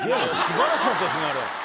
素晴らしかったですねあれ。